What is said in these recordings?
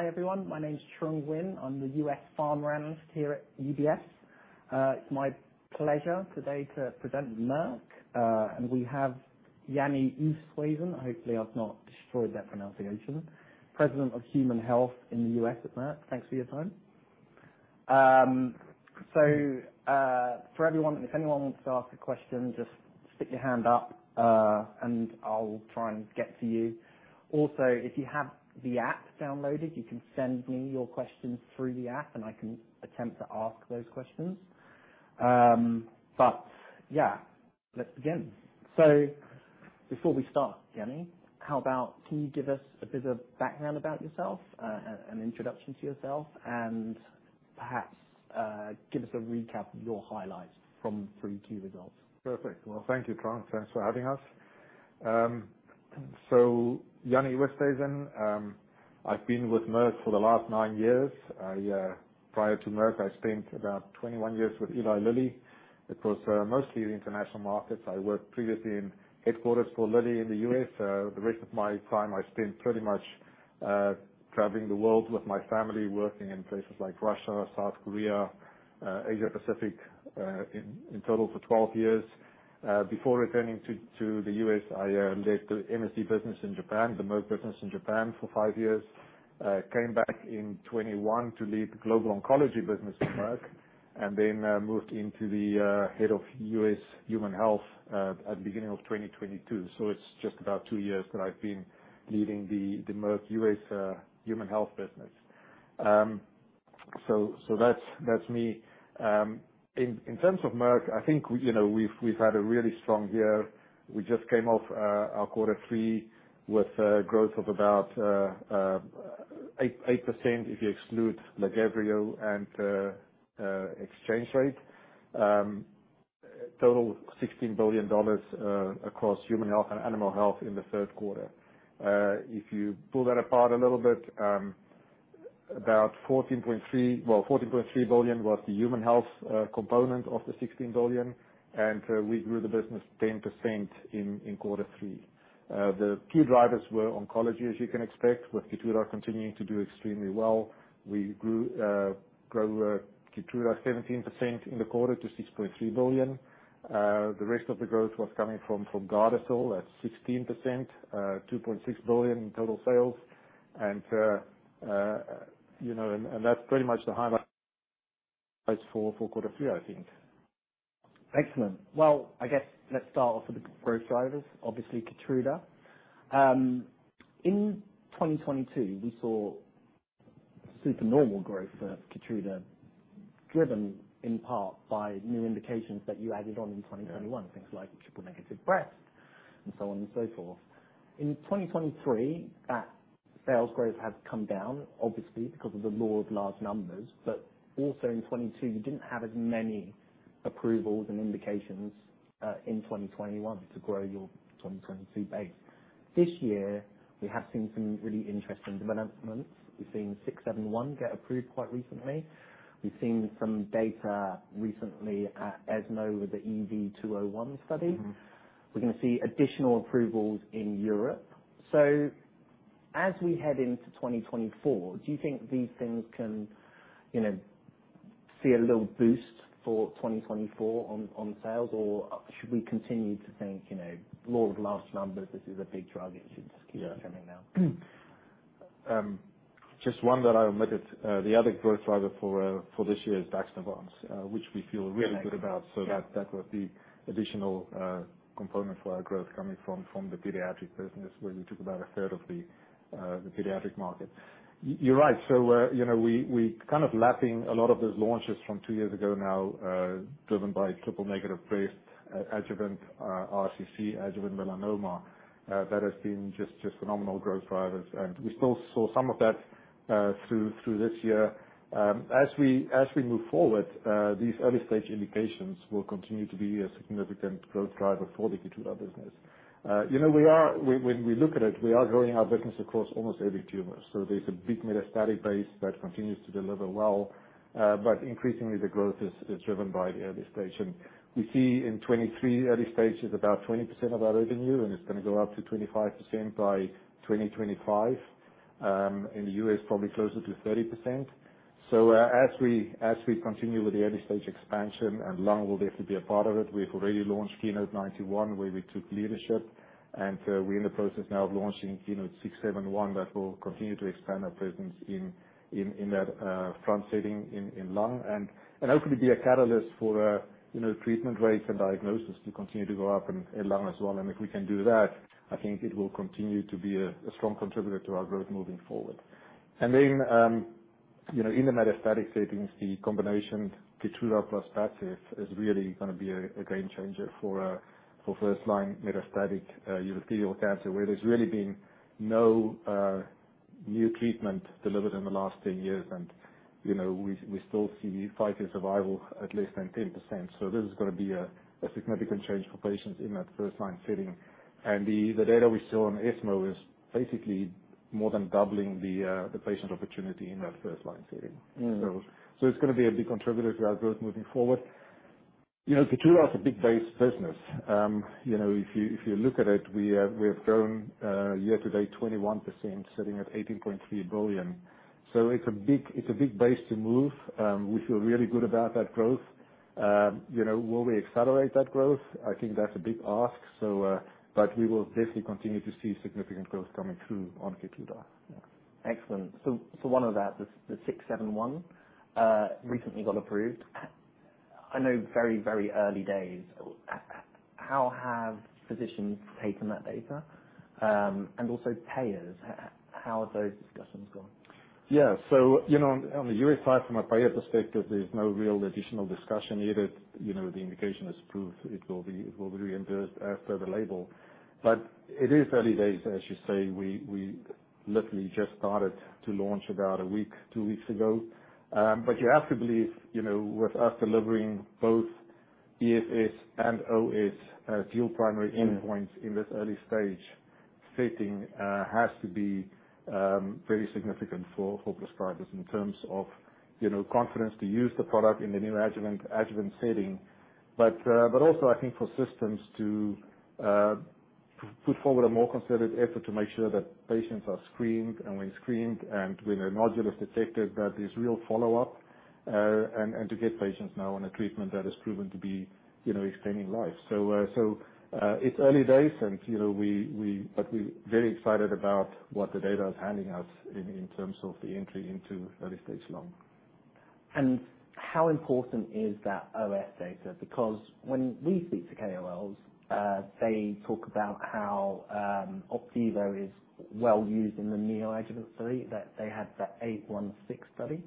Hi, everyone. My name is Trung Huynh. I'm the U.S. Pharma Analyst here at UBS. It's my pleasure today to present Merck, and we have Jannie Oosthuizen. Hopefully, I've not destroyed that pronunciation. President of Human Health in the U.S. at Merck. Thanks for your time. For everyone, if anyone wants to ask a question, just stick your hand up, and I'll try and get to you. Also, if you have the app downloaded, you can send me your questions through the app, and I can attempt to ask those questions. But yeah, let's begin. So before we start, Jannie, how about can you give us a bit of background about yourself, an introduction to yourself, and perhaps, give us a recap of your highlights from 3Q results? Perfect. Well, thank you, Trung. Thanks for having us. So Jannie Oosthuizen, I've been with Merck for the last 9 years. Prior to Merck, I spent about 21 years with Eli Lilly. It was mostly the international markets. I worked previously in headquarters for Lilly in the US. The rest of my time I spent pretty much traveling the world with my family, working in places like Russia, South Korea, Asia Pacific, in total for 12 years. Before returning to the US, I led the MSD business in Japan, the Merck business in Japan, for 5 years. Came back in 2021 to lead the global oncology business at Merck, and then moved into the head of US Human Health at the beginning of 2022. So it's just about two years that I've been leading the Merck US human health business. So that's me. In terms of Merck, I think, you know, we've had a really strong year. We just came off our quarter three with growth of about 8% if you exclude LAGEVRIO and exchange rate. Total $16 billion across human health and animal health in the third quarter. If you pull that apart a little bit, about $14.3 billion. Well, $14.3 billion was the human health component of the $16 billion, and we grew the business 10% in quarter three. The key drivers were oncology, as you can expect, with KEYTRUDA continuing to do extremely well. We grew KEYTRUDA 17% in the quarter to $6.3 billion. The rest of the growth was coming from GARDASIL at 16%, $2.6 billion in total sales. You know, and that's pretty much the highlights for quarter three, I think. Excellent. Well, I guess let's start off with the growth drivers, obviously, KEYTRUDA. In 2022, we saw supernormal growth for KEYTRUDA, driven in part by new indications that you added on in 2021. Yeah. Things like triple negative breast and so on and so forth. In 2023, that sales growth has come down, obviously, because of the law of large numbers, but also in 2022 you didn't have as many approvals and indications in 2021 to grow your 2022 base. This year, we have seen some really interesting developments. We've seen KEYNOTE-671 get approved quite recently. We've seen some data recently at ESMO with the EV-302 study. Mm-hmm. We're gonna see additional approvals in Europe. So as we head into 2024, do you think these things can, you know, see a little boost for 2024 on, on sales, or should we continue to think, you know, law of large numbers, this is a big drug, it should just keep- Yeah... coming out? Just one that I omitted, the other growth driver for this year is VAXNEUVANCE, which we feel really good about. Yeah. So that was the additional component for our growth coming from, from the pediatric business, where we took about a third of the, the pediatric market. You're right. So, you know, we kind of lapping a lot of those launches from two years ago now, driven by triple negative breast, adjuvant, RCC, adjuvant melanoma, that has been just phenomenal growth drivers, and we still saw some of that, through this year. As we move forward, these early-stage indications will continue to be a significant growth driver for the KEYTRUDA business. You know, we are—when we look at it, we are growing our business across almost every tumor. So there's a big metastatic base that continues to deliver well, but increasingly, the growth is driven by the early stage. We see in 2023, early stage is about 20% of our revenue, and it's gonna go up to 25% by 2025, in the US, probably closer to 30%. So, as we continue with the early-stage expansion, and lung will definitely be a part of it, we've already launched KEYNOTE-091, where we took leadership, and we're in the process now of launching, you know, KEYNOTE-671, that will continue to expand our presence in that front setting in lung. And hopefully be a catalyst for, you know, treatment rates and diagnosis to continue to go up in lung as well. And if we can do that, I think it will continue to be a strong contributor to our growth moving forward. And then, you know, in the metastatic settings, the combination KEYTRUDA plus PADCEV is really gonna be a game changer for first-line metastatic urothelial cancer, where there's really been no new treatment delivered in the last 10 years. And, you know, we still see five-year survival at less than 10%. So this is gonna be a significant change for patients in that first-line setting. And the data we saw on ESMO is basically more than doubling the patient opportunity in that first-line setting. Mm. So it's gonna be a big contributor to our growth moving forward. You know, KEYTRUDA is a big base business. You know, if you look at it, we have grown year-to-date 21%, sitting at $18.3 billion. So it's a big base to move. We feel really good about that growth. You know, will we accelerate that growth? I think that's a big ask, so but we will definitely continue to see significant growth coming through on KEYTRUDA. Excellent. So one of that, the KEYNOTE-671 recently got approved. I know very, very early days. How have physicians taken that data? And also payers, how have those discussions gone? Yeah. So, you know, on the US side, from a payer perspective, there's no real additional discussion needed. You know, the indication is approved, it will be, it will be reimbursed after the label. But it is early days, as you say, we literally just started to launch about a week, two weeks ago. But you have to believe, you know, with us delivering both EFS and OS, two primary endpoints in this early stage, setting, has to be very significant for prescribers in terms of, you know, confidence to use the product in the neoadjuvant, adjuvant setting. But also, I think for systems to put forward a more concerted effort to make sure that patients are screened, and when screened, and when a nodule is detected, that there's real follow-up. And to get patients now on a treatment that is proven to be, you know, extending life. So, it's early days, and, you know, we but we're very excited about what the data is handing us in terms of the entry into early stage lung. How important is that OS data? Because when we speak to KOLs, they talk about how, Opdivo is well used in the neoadjuvant study, that they had that 816 study.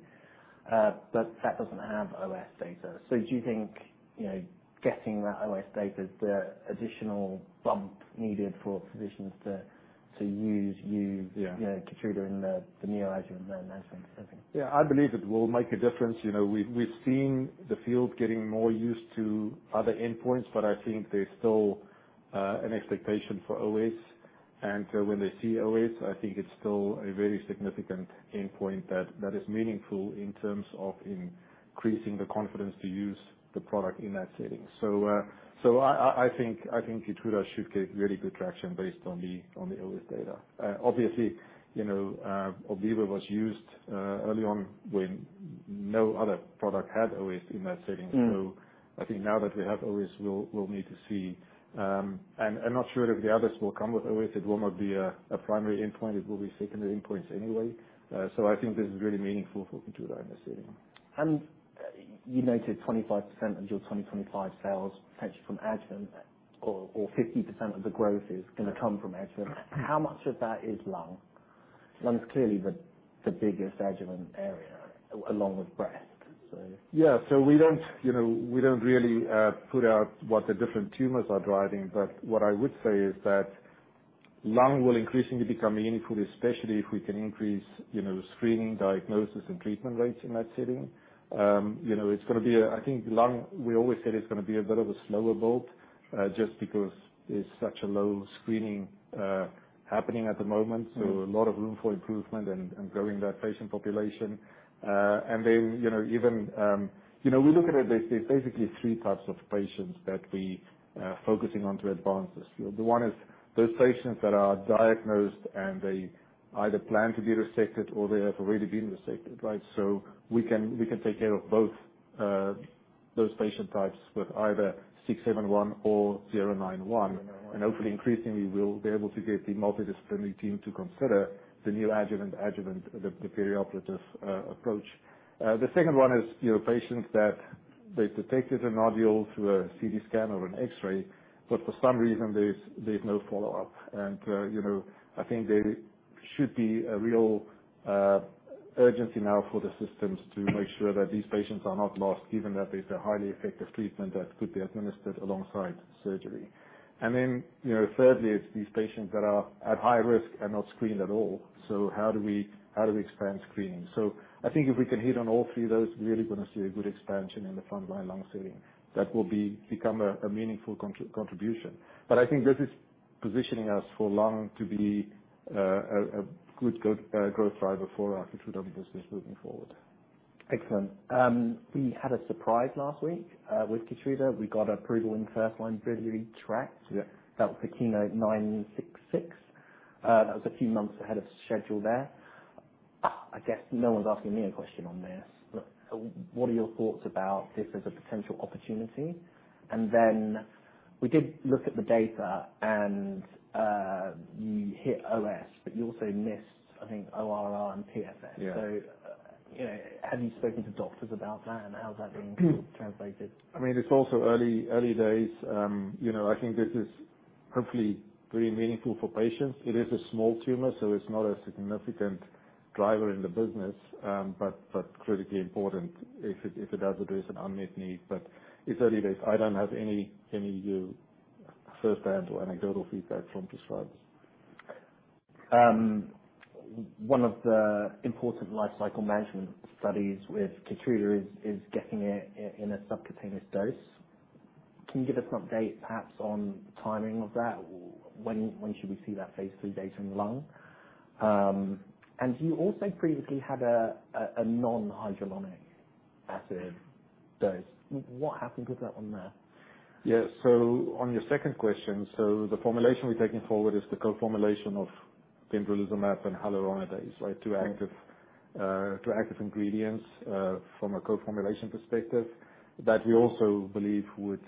But that doesn't have OS data. So do you think, you know, getting that OS data is the additional bump needed for physicians to use? Yeah. You know, KEYTRUDA in the neoadjuvant setting? Yeah, I believe it will make a difference. You know, we've seen the field getting more used to other endpoints, but I think there's still an expectation for OS. And when they see OS, I think it's still a very significant endpoint that is meaningful in terms of increasing the confidence to use the product in that setting. So, I think Keytruda should get really good traction based on the OS data. Obviously, you know, Opdivo was used early on when no other product had OS in that setting. Mm. So I think now that we have OS, we'll need to see. And I'm not sure if the others will come with OS, it will not be a primary endpoint, it will be secondary endpoints anyway. So I think this is really meaningful for KEYTRUDA in this setting. You noted 25% of your 2025 sales potentially from adjuvant or, or 50% of the growth is going to come from adjuvant. How much of that is lung? Lung is clearly the, the biggest adjuvant area, along with breast, so. Yeah. So we don't, you know, we don't really put out what the different tumors are driving, but what I would say is that lung will increasingly become meaningful, especially if we can increase, you know, screening, diagnosis, and treatment rates in that setting. You know, it's gonna be a... I think lung, we always said it's gonna be a bit of a slower build, just because there's such a low screening happening at the moment. Mm. So a lot of room for improvement and growing that patient population. And then, you know, even... You know, we look at it, there's basically three types of patients that we focusing on to advance this field. The one is those patients that are diagnosed, and they either plan to be resected or they have already been resected, right? So we can take care of both those patient types with either 671 or 091. And hopefully, increasingly, we'll be able to get the multidisciplinary team to consider the neoadjuvant adjuvant, the perioperative approach. The second one is, you know, patients that they've detected a nodule through a CT scan or an X-ray, but for some reason, there's no follow-up. You know, I think there should be a real urgency now for the systems to make sure that these patients are not lost, given that there's a highly effective treatment that could be administered alongside surgery. And then, you know, thirdly, it's these patients that are at high risk and not screened at all. So how do we expand screening? So I think if we can hit on all three, those, we're really gonna see a good expansion in the front line lung setting. That will become a meaningful contribution. But I think this is positioning us for lung to be a good growth driver for our KEYTRUDA business moving forward. Excellent. We had a surprise last week with KEYTRUDA. We got approval in first-line biliary tract. That was the KEYNOTE-966. That was a few months ahead of schedule there. I guess no one's asking me a question on this, but what are your thoughts about this as a potential opportunity? And then we did look at the data and you hit OS, but you also missed, I think, ORR and PFS. Yeah. you know, have you spoken to doctors about that, and how has that been translated? I mean, it's also early, early days. You know, I think this is hopefully pretty meaningful for patients. It is a small tumor, so it's not a significant driver in the business, but, but critically important if it, if it does address an unmet need. But it's early days. I don't have any, any, firsthand or aneCVOTal feedback from prescribers. One of the important lifecycle management studies with KEYTRUDA is getting it in a subcutaneous dose. Can you give us an update, perhaps, on the timing of that? When should we see that phase three data in lung? And you also previously had a non-hyaluronidase dose. What happened with that one there? Yeah. So on your second question, so the formulation we're taking forward is the co-formulation of pembrolizumab and hyaluronidase, right? Two active, two active ingredients, from a co-formulation perspective, that we also believe would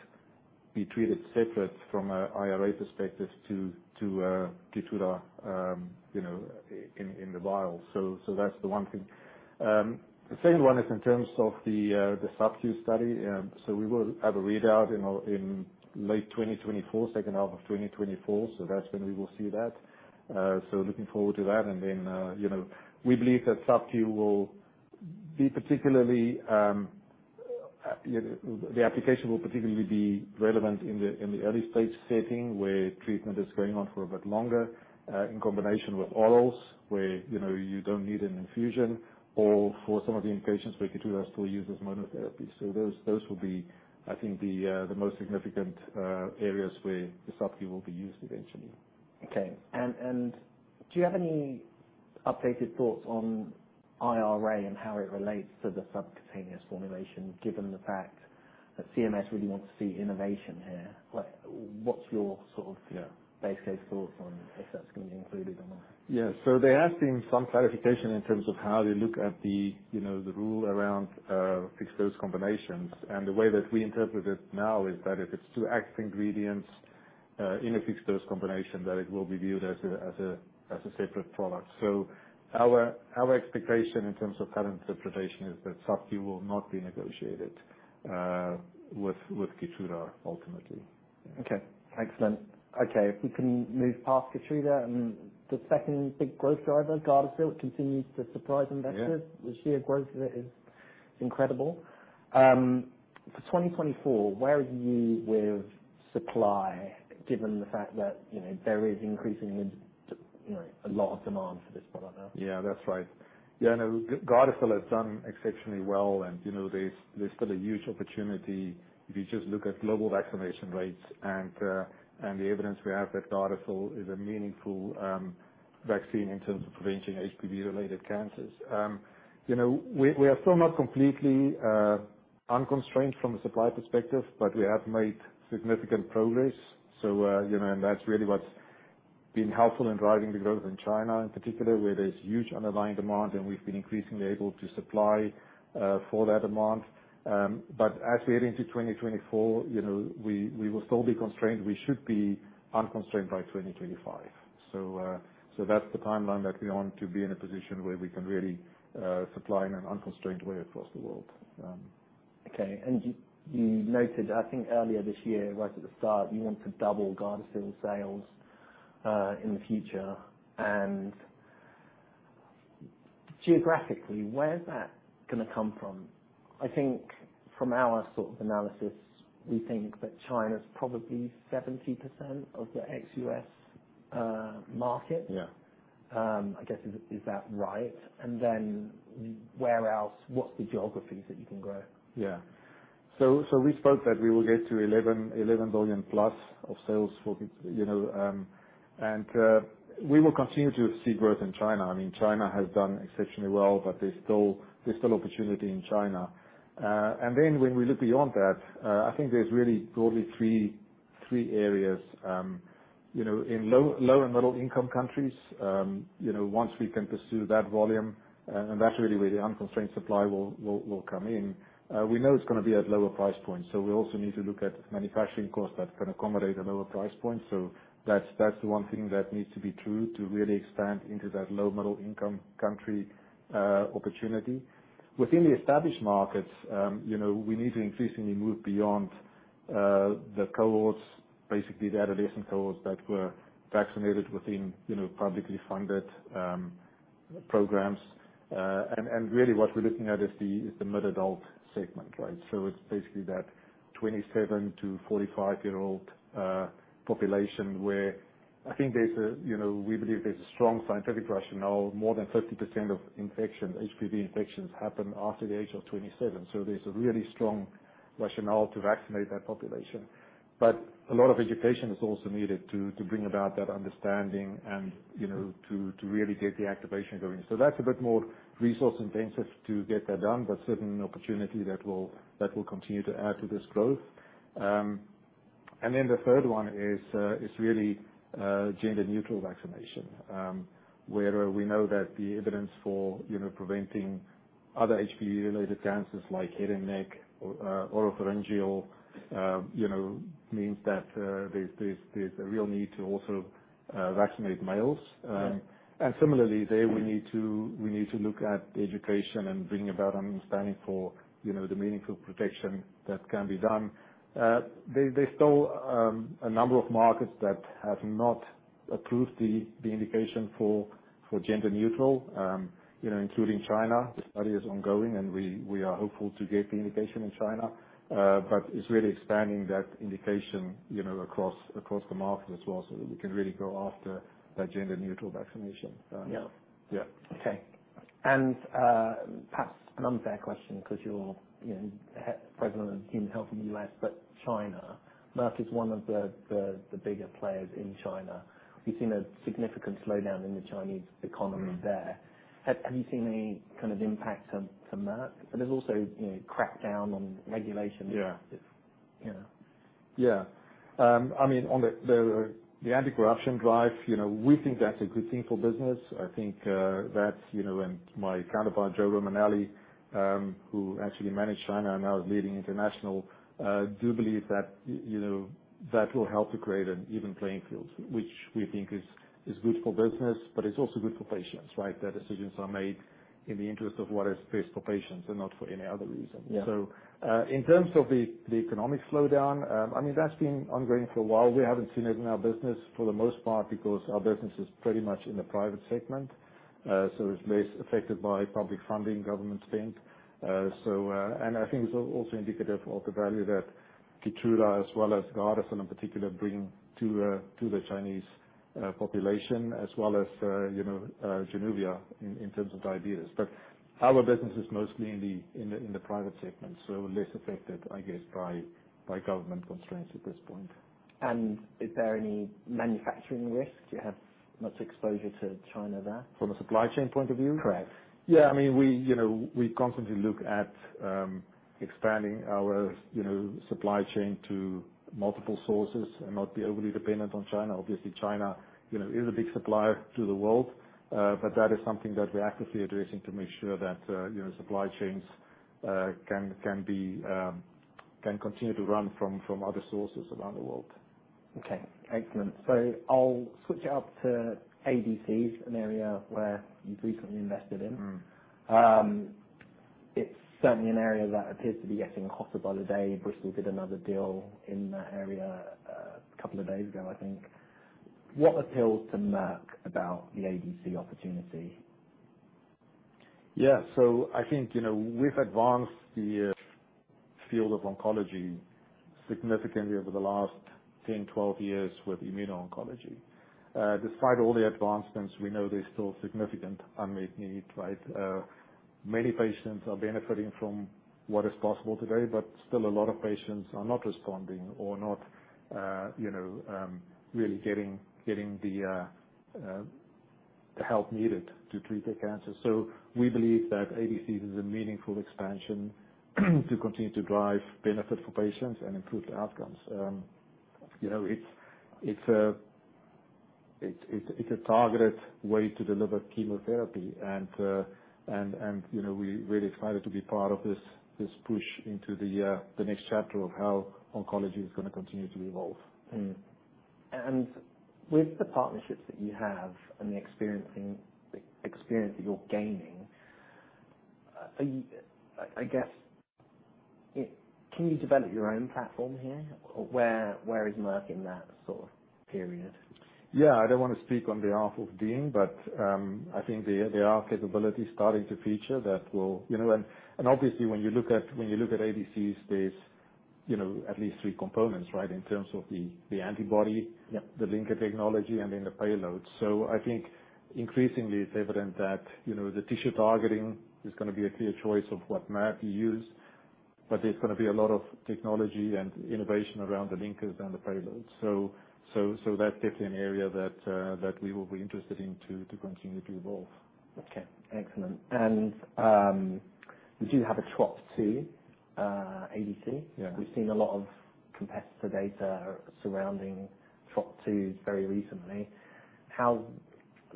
be treated separate from a IRA perspective to, to, Keytruda, you know, in, in the vial. So, so that's the one thing. The second one is in terms of the, the subcu study. So we will have a readout in our- in late 2024, second half of 2024, so that's when we will see that. So looking forward to that, and then, you know, we believe that subcu will be particularly, you know... The application will particularly be relevant in the early stage setting, where treatment is going on for a bit longer, in combination with orals, where, you know, you don't need an infusion, or for some of the indications where KEYTRUDA is still used as monotherapy. So those will be, I think, the most significant areas where the subcu will be used eventually. Okay. Do you have any updated thoughts on IRA and how it relates to the subcutaneous formulation, given the fact that CMS really wants to see innovation here? Like, what's your sort of, you know, base case thoughts on if that's going to be included or not? Yeah. So they are asking some clarification in terms of how they look at the, you know, the rule around fixed-dose combinations. And the way that we interpret it now is that if it's two active ingredients in a fixed-dose combination, that it will be viewed as a separate product. So our expectation in terms of current interpretation is that subcu will not be negotiated with KEYTRUDA ultimately. Okay, excellent. Okay, if we can move past KEYTRUDA and the second big growth driver, GARDASIL, continues to surprise investors. Yeah. The sheer growth is incredible. For 2024, where are you with supply, given the fact that, you know, there is increasingly, you know, a lot of demand for this product now? Yeah, that's right. Yeah, no, Gardasil has done exceptionally well, and, you know, there's, there's still a huge opportunity if you just look at global vaccination rates and, and the evidence we have that Gardasil is a meaningful, vaccine in terms of preventing HPV-related cancers. You know, we, we are still not completely, unconstrained from a supply perspective, but we have made significant progress. So, you know, and that's really what's been helpful in driving the growth in China, in particular, where there's huge underlying demand, and we've been increasingly able to supply, for that demand. But as we head into 2024, you know, we, we will still be constrained. We should be unconstrained by 2025. So that's the timeline that we want to be in a position where we can really supply in an unconstrained way across the world. Okay. You, you noted, I think, earlier this year, right at the start, you want to double Gardasil sales in the future. Geographically, where is that going to come from? I think from our sort of analysis, we think that China's probably 70% of the ex-U.S. market. Yeah. I guess, is that right? And then where else? What's the geographies that you can grow? Yeah. So we spoke that we will get to $11 billion-plus of sales for, you know, and we will continue to see growth in China. I mean, China has done exceptionally well, but there's still opportunity in China. And then when we look beyond that, I think there's really broadly three areas. You know, in low and middle-income countries, you know, once we can pursue that volume, and that's really where the unconstrained supply will come in. We know it's going to be at lower price points, so we also need to look at manufacturing costs that can accommodate a lower price point. So that's the one thing that needs to be true to really expand into that low, middle-income country opportunity. Within the established markets, you know, we need to increasingly move beyond the cohorts, basically the adolescent cohorts, that were vaccinated within, you know, publicly funded programs. And really what we're looking at is the mid-adult segment, right? So it's basically that 27-45-year-old population, where I think there's a, you know, we believe there's a strong scientific rationale. More than 30% of infections, HPV infections, happen after the age of 27, so there's a really strong rationale to vaccinate that population. But a lot of education is also needed to bring about that understanding and, you know, to really get the activation going. So that's a bit more resource intensive to get that done, but certainly an opportunity that will continue to add to this growth. And then the third one is really gender-neutral vaccination, where we know that the evidence for, you know, preventing other HPV-related cancers like head and neck, or oropharyngeal, you know, means that there's a real need to also vaccinate males. Right. and similarly, there, we need to look at education and bringing about understanding for, you know, the meaningful protection that can be done. There, there's still a number of markets that have not approved the indication for gender-neutral. You know, including China. The study is ongoing, and we are hopeful to get the indication in China, but it's really expanding that indication, you know, across the market as well, so that we can really go after that gender-neutral vaccination. Yeah. Yeah. Okay. And perhaps an unfair question, because you're, you know, President of Human Health in the U.S., but China, Merck is one of the bigger players in China. We've seen a significant slowdown in the Chinese economy there. Have you seen any kind of impact to Merck? But there's also, you know, crackdown on regulation- Yeah. Yeah. Yeah. I mean, on the anti-corruption drive, you know, we think that's a good thing for business. I think, that's, you know, and my counterpart, Joe Romanelli, who actually managed China and now is leading international, do believe that, you know, that will help to create an even playing field, which we think is good for business, but it's also good for patients, right? That decisions are made in the interest of what is best for patients and not for any other reason. Yeah. So, in terms of the economic slowdown, I mean, that's been ongoing for a while. We haven't seen it in our business for the most part, because our business is pretty much in the private segment. So it's less affected by public funding, government spend. And I think it's also indicative of the value that KEYTRUDA, as well as GARDASIL in particular, bring to the Chinese population, as well as, you know, JANUVIA in terms of diabetes. But our business is mostly in the private segment, so less affected, I guess, by government constraints at this point. Is there any manufacturing risk? Do you have much exposure to China there? From a supply chain point of view? Correct. Yeah, I mean, we, you know, we constantly look at expanding our, you know, supply chain to multiple sources and not be overly dependent on China. Obviously, China, you know, is a big supplier to the world, but that is something that we're actively addressing to make sure that, you know, supply chains can continue to run from other sources around the world. Okay, excellent. So I'll switch it up to ADCs, an area where you've recently invested in. Mm. It's certainly an area that appears to be getting hotter by the day. Bristol did another deal in that area a couple of days ago, I think. What appeals to Merck about the ADC opportunity? Yeah. So I think, you know, we've advanced the field of oncology significantly over the last 10, 12 years with immuno-oncology. Despite all the advancements, we know there's still significant unmet need, right? Many patients are benefiting from what is possible today, but still a lot of patients are not responding or not, you know, really getting the help needed to treat their cancer. So we believe that ADCs is a meaningful expansion to continue to drive benefit for patients and improve the outcomes. You know, it's a targeted way to deliver chemotherapy. And, you know, we're really excited to be part of this push into the next chapter of how oncology is gonna continue to evolve. And with the partnerships that you have and the experience that you're gaining, are you... I guess, can you develop your own platform here? Where, where is Merck in that sort of period? Yeah, I don't want to speak on behalf of Dean, but I think there are capabilities starting to feature that will, you know... And obviously, when you look at ADCs, there's, you know, at least three components, right? In terms of the antibody- Yep. the linker technology, and then the payload. So I think increasingly it's evident that, you know, the tissue targeting is gonna be a clear choice of what man we use, but there's gonna be a lot of technology and innovation around the linkers and the payloads. So that's definitely an area that we will be interested in to continue to evolve. Okay, excellent. And, you do have a Trop2, ADC. Yeah. We've seen a lot of competitor data surrounding Trop2 very recently. How's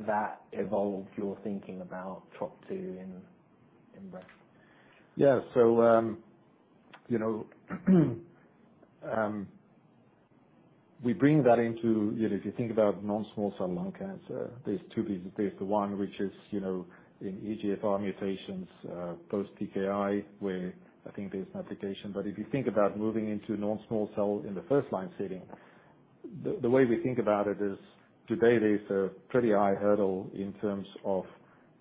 that evolved your thinking about Trop2 in Merck? Yeah. So, you know, we bring that into... You know, if you think about non-small cell lung cancer, there's two pieces. There's the one which is, you know, in EGFR mutations, post-TKI, where I think there's an application. But if you think about moving into non-small cell in the first line setting, the, the way we think about it is today there's a pretty high hurdle in terms of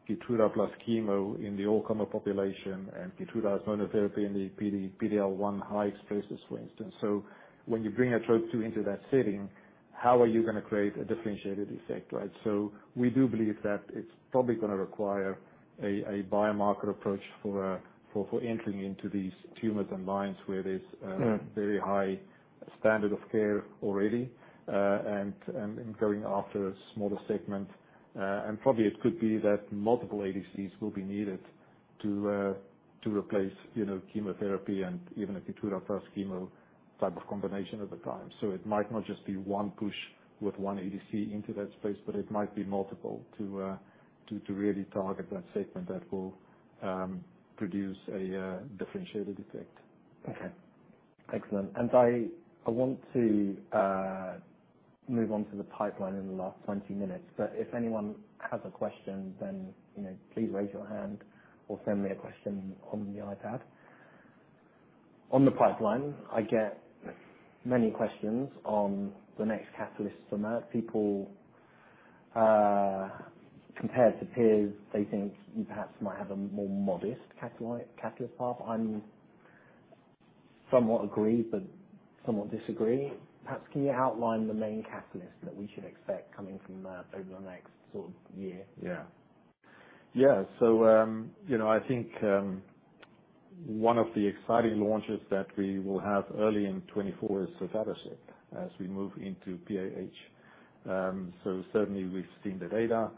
KEYTRUDA plus chemo in the all-comer population and KEYTRUDA as monotherapy in the PD-L1 high expressers, for instance. So when you bring a Trop2 into that setting, how are you gonna create a differentiated effect, right? So we do believe that it's probably gonna require a, a biomarker approach for, for, for entering into these tumors and lines where there's- Mm-hmm... a very high standard of care already, and going after a smaller segment. And probably it could be that multiple ADCs will be needed to replace, you know, chemotherapy and even a KEYTRUDA plus chemo type of combination at the time. So it might not just be one push with one ADC into that space, but it might be multiple, to really target that segment that will produce a differentiated effect. Okay, excellent. And I want to move on to the pipeline in the last 20 minutes, but if anyone has a question, then, you know, please raise your hand or send me a question on the iPad. On the pipeline, I get many questions on the next catalyst for Merck. People, compared to peers, they think you perhaps might have a more modest catalyst path. I'm curious, somewhat agree, but somewhat disagree. Perhaps can you outline the main catalyst that we should expect coming from that over the next sort of year? Yeah. Yeah, so, you know, I think, one of the exciting launches that we will have early in 2024 is sotatercept as we move into PAH. So certainly we've seen the data.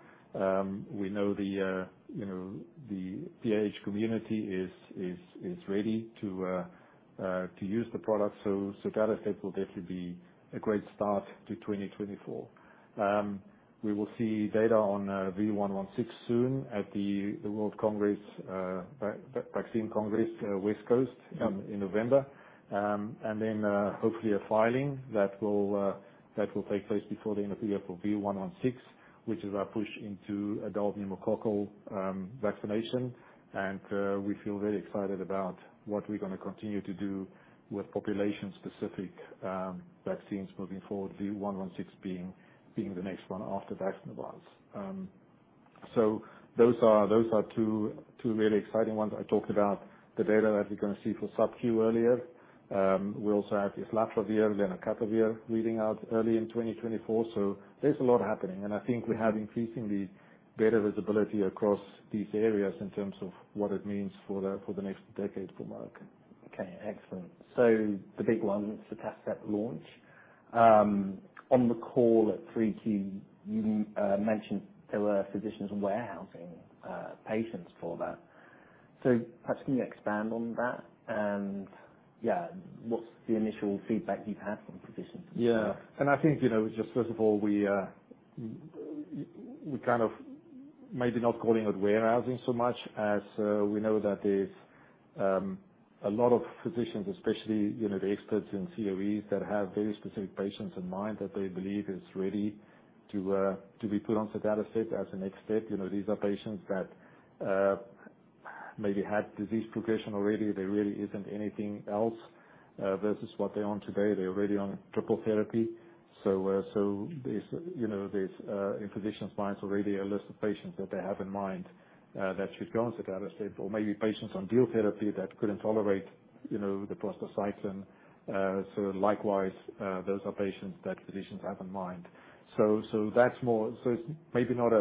We know the, you know, the PAH community is ready to use the product. So, sotatercept will definitely be a great start to 2024. We will see data on V116 soon at the World Vaccine Congress West Coast in November. And then, hopefully, a filing that will take place before the end of the year for V116, which is our push into adult pneumococcal vaccination. We feel very excited about what we're gonna continue to do with population-specific vaccines moving forward, V116 being the next one after VAXNEUVANCE. So those are two really exciting ones. I talked about the data that we're gonna see for sub-Q earlier. We also have Islatravir, Lenacapavir reading out early in 2024, so there's a lot happening, and I think we have increasingly better visibility across these areas in terms of what it means for the next decade for Merck. Okay, excellent. So the big one, sotatercept launch. On the call at 3Q, you mentioned there were physicians warehousing patients for that. So perhaps can you expand on that? And yeah, what's the initial feedback you've had from physicians? Yeah, and I think, you know, just first of all, we kind of maybe not calling it warehousing so much as, we know that there's a lot of physicians, especially, you know, the experts and COEs, that have very specific patients in mind that they believe is ready to be put on sotatercept as a next step. You know, these are patients that maybe had disease progression already. There really isn't anything else versus what they're on today. They're already on triple therapy. So there's, you know, there's in physicians' minds already, a list of patients that they have in mind that should go on sotatercept, or maybe patients on dual therapy that couldn't tolerate, you know, the prostacyclin. So likewise, those are patients that physicians have in mind. So, so that's more... So it's maybe not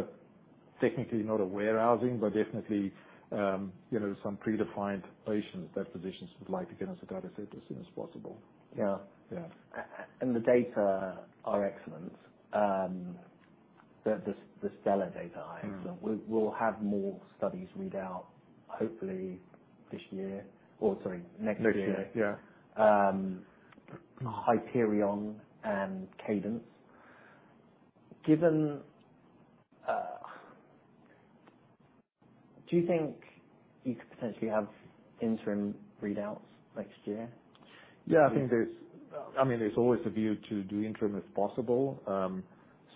technically a warehousing, but definitely, you know, some predefined patients that physicians would like to get on sotatercept as soon as possible. Yeah. Yeah. and the data are excellent. The STELLAR data are excellent. Mm-hmm. We'll have more studies read out hopefully this year, or sorry, next year. Next year, yeah. Hyperion and CADENCE. Given... Do you think you could potentially have interim readouts next year? Yeah, I think there's, I mean, there's always a view to do interim if possible.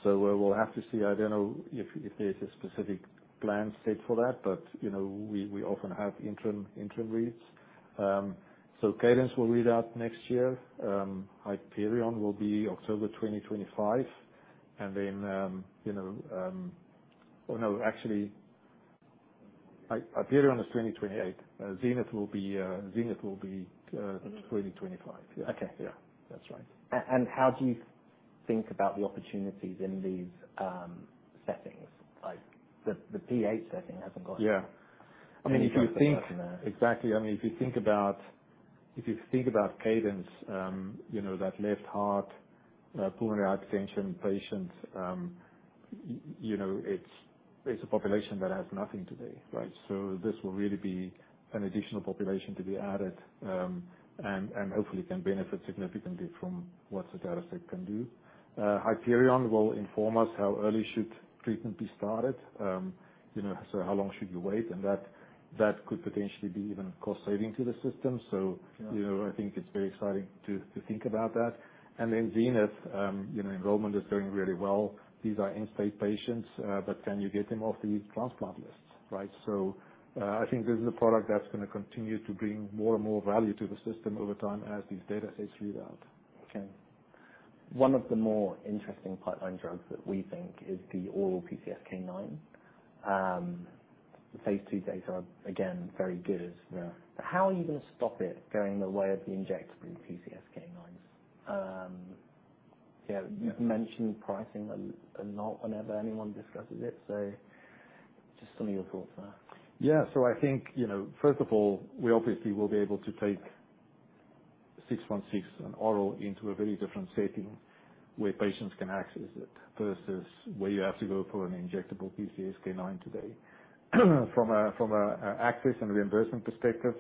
So we will have to see. I don't know if there's a specific plan set for that, but, you know, we often have interim reads. So CADENCE will read out next year. HYPERION will be October 2025, and then, you know... Oh, no, actually, HYPERION is 2028. ZENITH will be 2025. Okay. Yeah. That's right. And how do you think about the opportunities in these settings? Like the PH setting hasn't gone- Yeah. I mean- I mean, if you think- exactly. I mean, if you think about, if you think about CADENCE, you know, that left heart pulmonary hypertension patients, you know, it's a population that has nothing today, right? So this will really be an additional population to be added, and hopefully can benefit significantly from what sotatercept can do. Hyperion will inform us how early should treatment be started, you know, so how long should you wait? And that could potentially be even cost-saving to the system. Yeah. So, you know, I think it's very exciting to think about that. And then ZENITH, you know, enrollment is doing really well. These are end-stage patients, but can you get them off the transplant list, right? So, I think this is a product that's going to continue to bring more and more value to the system over time as these data sets read out. Okay. One of the more interesting pipeline drugs that we think is the oral PCSK9. The phase two data are, again, very good. Yeah. How are you going to stop it going the way of the injectable PCSK9s? Yeah- Yeah. You've mentioned pricing a lot whenever anyone discusses it, so just some of your thoughts there. Yeah. So I think, you know, first of all, we obviously will be able to take 616 and oral into a very different setting where patients can access it, versus where you have to go for an injectable PCSK9 today. From a access and reimbursement perspective,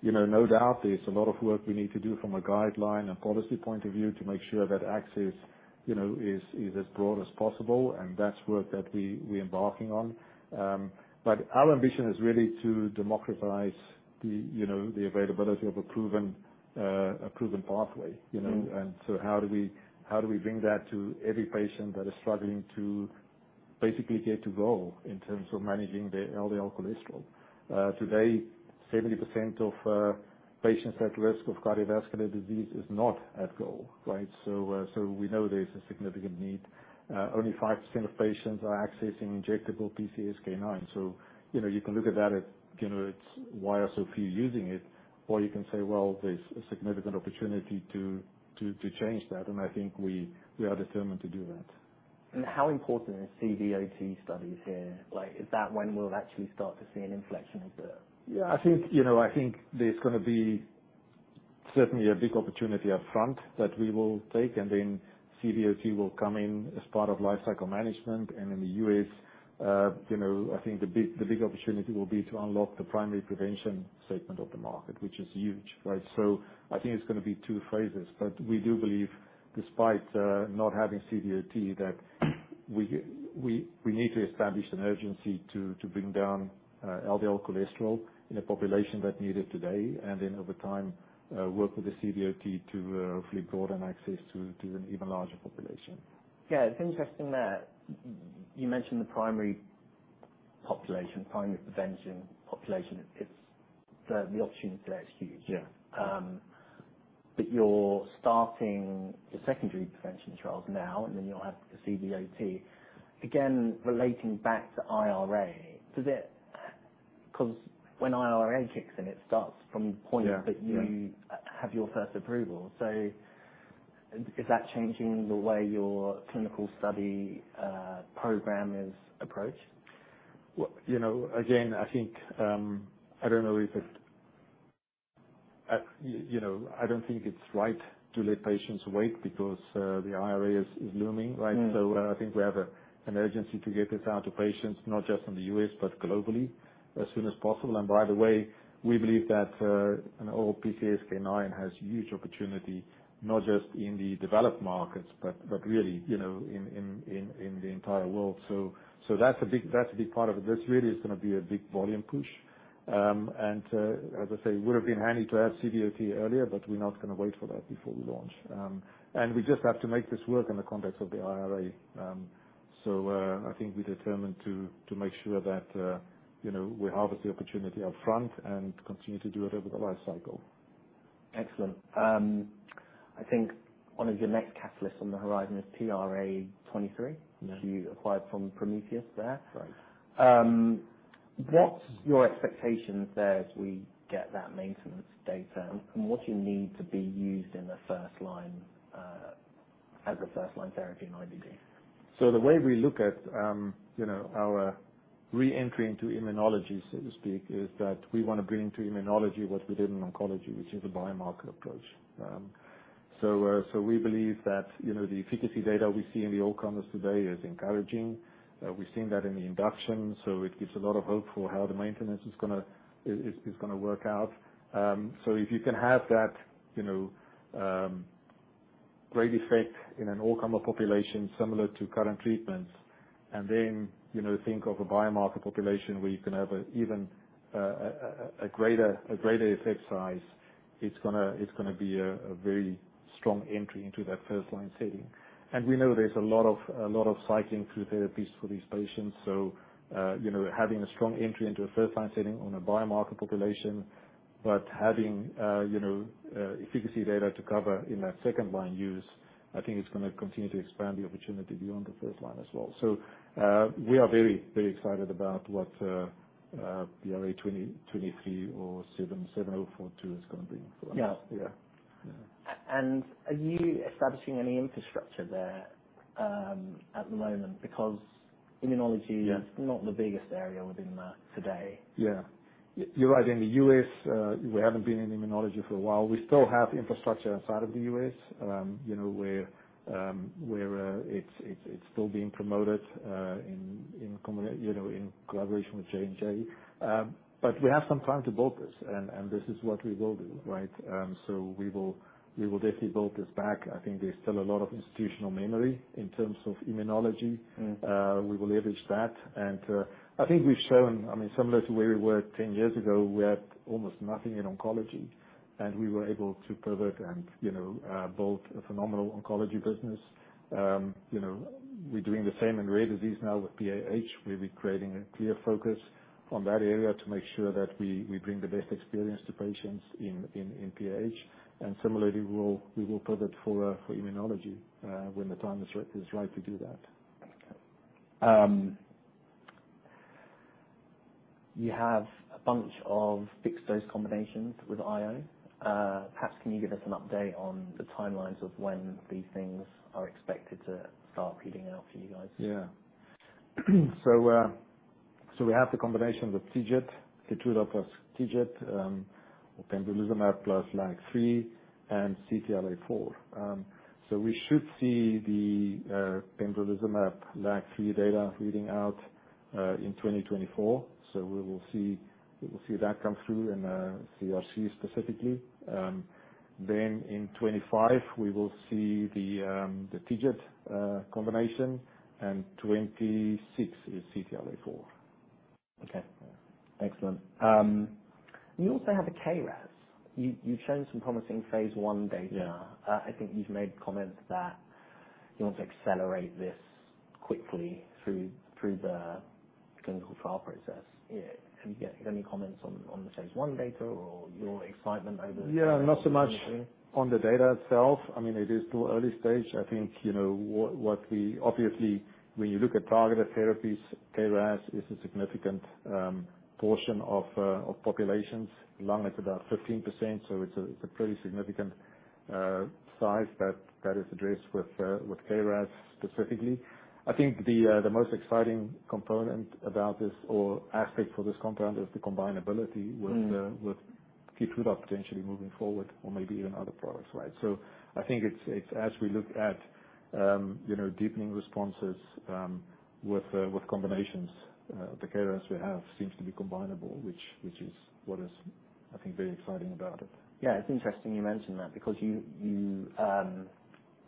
you know, no doubt there's a lot of work we need to do from a guideline and policy point of view to make sure that access, you know, is as broad as possible, and that's work that we're embarking on. But our ambition is really to democratize the, you know, the availability of a proven pathway, you know? Mm-hmm. So how do we bring that to every patient that is struggling to basically get to goal in terms of managing their LDL cholesterol? Today, 70% of patients at risk of cardiovascular disease is not at goal, right? So, so we know there's a significant need. Only 5% of patients are accessing injectable PCSK9. So, you know, you can look at that as, you know, it's why are so few using it? Or you can say, well, there's a significant opportunity to change that, and I think we are determined to do that.... How important is CVOT studies here? Like, is that when we'll actually start to see an inflection of the- Yeah, I think, you know, I think there's gonna be certainly a big opportunity up front that we will take, and then CVOT will come in as part of lifecycle management. And in the U.S., you know, I think the big opportunity will be to unlock the primary prevention segment of the market, which is huge, right? So I think it's gonna be two phases, but we do believe, despite not having CVOT, that we need to establish an urgency to bring down LDL cholesterol in a population that need it today, and then over time, work with the CVOT to hopefully broaden access to an even larger population. Yeah, it's interesting that you mentioned the primary population, primary prevention population. It's the opportunity there is huge. Yeah. But you're starting the secondary prevention trials now, and then you'll have the CVOT. Again, relating back to IRA, does it... 'cause when IRA kicks in, it starts from the point- Yeah, yeah -that you have your first approval. So is that changing the way your clinical study program is approached? Well, you know, again, I think, I don't know if, you know, I don't think it's right to let patients wait because the IRA is looming, right? Mm. So I think we have an urgency to get this out to patients, not just in the U.S., but globally, as soon as possible. And by the way, we believe that, and all PCSK9 has huge opportunity, not just in the developed markets, but really, you know, in the entire world. So that's a big part of it. This really is gonna be a big volume push. And, as I say, it would have been handy to have CVOT earlier, but we're not gonna wait for that before we launch. And we just have to make this work in the context of the IRA. So, I think we're determined to make sure that, you know, we harvest the opportunity up front and continue to do it over the life cycle. Excellent. I think one of your next catalysts on the horizon is PRA023. Yeah. Which you acquired from Prometheus there. Right. What's your expectations there as we get that maintenance data, and what do you need to be used in the first line, as a first-line therapy in IBD? So the way we look at, you know, our re-entry into immunology, so to speak, is that we want to bring into immunology what we did in oncology, which is a biomarker approach. So we believe that, you know, the efficacy data we see in the all comers today is encouraging. We've seen that in the induction, so it gives a lot of hope for how the maintenance is gonna work out. So if you can have that, you know, great effect in an all comer population, similar to current treatments, and then, you know, think of a biomarker population where you can have an even greater effect size, it's gonna be a very strong entry into that first-line setting. We know there's a lot of, a lot of cycling through therapies for these patients, so, you know, having a strong entry into a first-line setting on a biomarker population, but having, you know, efficacy data to cover in that second-line use, I think is gonna continue to expand the opportunity beyond the first line as well. We are very, very excited about what PRA023 or MK-7240 is gonna bring for us. Yeah. Yeah. Yeah. And are you establishing any infrastructure there, at the moment? Because immunology- Yeah is not the biggest area within the today. Yeah. You're right. In the U.S., we haven't been in immunology for a while. We still have infrastructure outside of the U.S., you know, where it's still being promoted in collaboration with J&J. But we have some time to build this, and this is what we will do, right? So we will definitely build this back. I think there's still a lot of institutional memory in terms of immunology. Mm. We will leverage that. And, I think we've shown... I mean, similar to where we were 10 years ago, we had almost nothing in oncology, and we were able to pivot and, you know, build a phenomenal oncology business. You know, we're doing the same in rare disease now with PAH. We'll be creating a clear focus on that area to make sure that we bring the best experience to patients in PAH. And similarly, we will pivot for immunology when the time is right to do that. You have a bunch of fixed-dose combinations with IO. Perhaps can you give us an update on the timelines of when these things are expected to start reading out for you guys? Yeah. So, so we have the combination with TIGIT, KEYTRUDA plus TIGIT, or pembrolizumab plus LAG-3 and CTLA-4. So we should see the pembrolizumab LAG-3 data reading out in 2024. So we will see, we will see that come through in CRC specifically. Then in 2025, we will see the TIGIT combination, and 2026 is CTLA-4. Okay, excellent. You also have a KRAS. You've shown some promising phase 1 data. Yeah. I think you've made comments that you want to accelerate this quickly through the clinical trial process. Yeah. Any comments on the phase 1 data or your excitement over- Yeah, not so much on the data itself. I mean, it is still early stage. I think, you know, what we obviously when you look at targeted therapies, KRAS is a significant portion of populations. Lung is about 15%, so it's a pretty significant size that is addressed with KRAS specifically. I think the most exciting component about this, or aspect for this compound, is the combinability- Mm. with KEYTRUDA potentially moving forward, or maybe even other products, right? So I think it's as we look at, you know, deepening responses with combinations, the KRAS we have seems to be combinable, which is what is, I think, very exciting about it. Yeah, it's interesting you mention that, because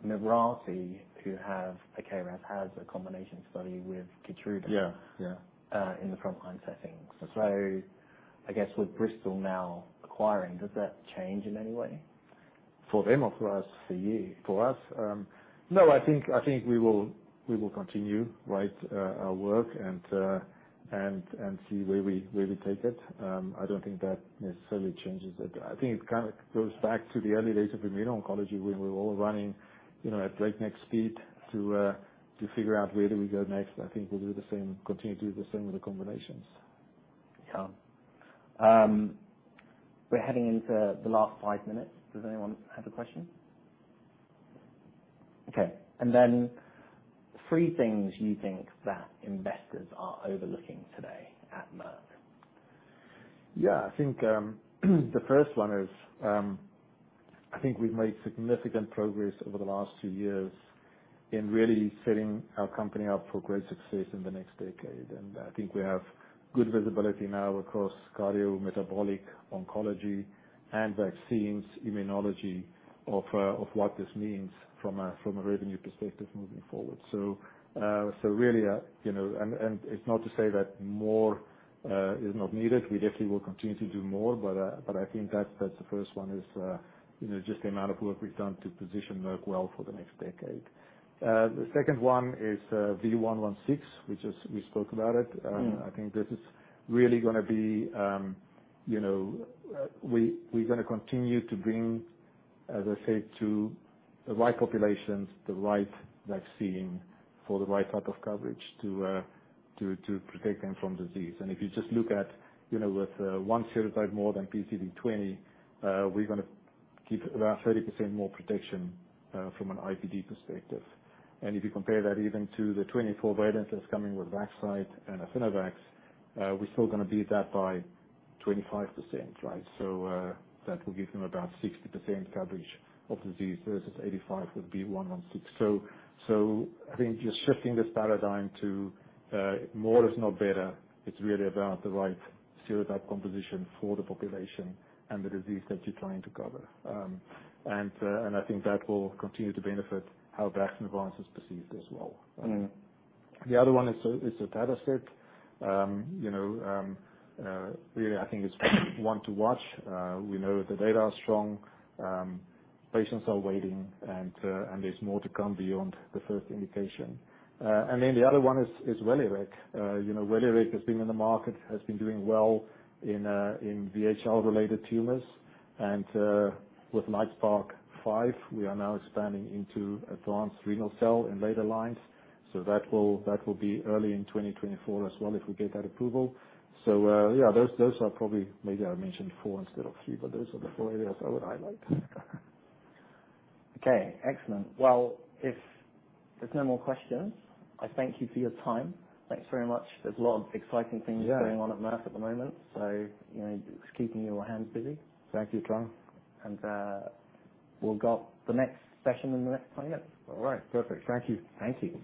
Mirati, who have a KRAS, has a combination study with KEYTRUDA- Yeah, yeah... in the frontline setting. That's right. I guess with Bristol now acquiring, does that change in any way? For them or for us? For you. For us, no, I think we will continue, right, our work and see where we take it. I don't think that necessarily changes it. I think it kind of goes back to the early days of immuno-oncology, when we were all running, you know, at breakneck speed to figure out where do we go next. I think we'll do the same, continue to do the same with the combinations. Yeah. We're heading into the last five minutes. Does anyone have a question? Okay, and then three things you think that investors are overlooking today at Merck. Yeah, I think, the first one is, I think we've made significant progress over the last two years in really setting our company up for great success in the next decade. And I think we have good visibility now across cardiometabolic, oncology, and vaccines, immunology, of, of what this means from a revenue perspective moving forward. So, really, you know... And it's not to say that more is not needed. We definitely will continue to do more, but I think that's the first one is, you know, just the amount of work we've done to position Merck well for the next decade. The second one is, V116, which we spoke about it. Mm. I think this is really gonna be, you know. We’re gonna continue to bring, as I said, to the right populations, the right vaccine for the right type of coverage to protect them from disease. And if you just look at, you know, with one serotype more than PCV20, we’re gonna keep around 30% more protection from an IPD perspective. And if you compare that even to the 24 variants that’s coming with Vaxcyte and Affinivax, we’re still gonna beat that by 25%, right? So, that will give them about 60% coverage of disease versus 85 with V116. So I think just shifting this paradigm to more is not better, it’s really about the right serotype composition for the population and the disease that you’re trying to cover. I think that will continue to benefit how VAXNEUVANCE is perceived as well. Mm. The other one is the data set. You know, really, I think it's one to watch. We know the data are strong, patients are waiting, and there's more to come beyond the first indication. And then the other one is WELIREG. You know, WELIREG has been in the market, has been doing well in VHL-related tumors. And with KEYNOTE-564, we are now expanding into advanced renal cell in later lines, so that will be early in 2024 as well, if we get that approval. So, yeah, those are probably... Maybe I mentioned four instead of three, but those are the four areas I would highlight. Okay, excellent. Well, if there's no more questions, I thank you for your time. Thanks very much. There's a lot of exciting things- Yeah Going on at Merck at the moment, so, you know, it's keeping your hands busy. Thank you, John. We've got the next session in the next 20 minutes. All right, perfect. Thank you. Thank you.